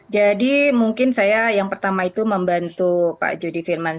jadi mungkin saya yang pertama itu membantu pak jody firman